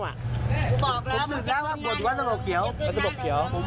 ผมสึกร้างว่าปวดตัวสะโปร่เกียว